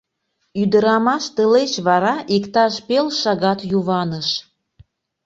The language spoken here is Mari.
Ӱдырамаш тылеч вара иктаж пел шагат юваныш.